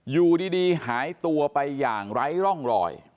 อยู่ดีหายตัวไปอย่างไร้ร่องรอย